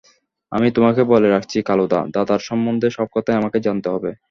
আমি তোমাকে বলে রাখছি কালুদা, দাদার সম্বন্ধে সব কথাই আমাকে জানতে হবে।